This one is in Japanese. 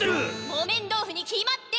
木綿豆腐に決まってる！